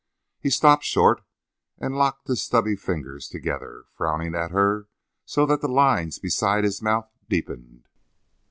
He stopped short and locked his stubby fingers together, frowning at her so that the lines beside his mouth deepened.